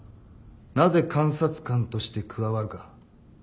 なぜ監察官として加わるか分かるか？